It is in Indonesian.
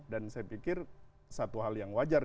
saya pikir satu hal yang wajar